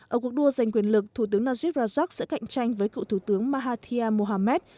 ở cuộc đua giành quyền lực thủ tướng najib rajak sẽ cạnh tranh với cựu thủ tướng mahathir mohamed